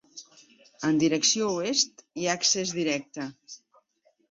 En direcció oest, hi ha accés directe.